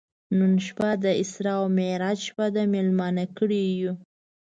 نن شپه د اسرا او معراج شپه ده میلمانه کړي یو.